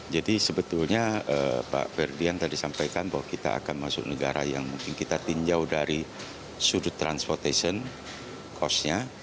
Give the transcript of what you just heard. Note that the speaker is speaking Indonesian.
jadi sebetulnya pak ferdian tadi sampaikan bahwa kita akan masuk negara yang mungkin kita tinjau dari sudut transportation cost nya